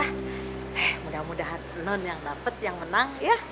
eh mudah mudahan non yang dapat yang menang ya